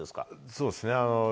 そうですね。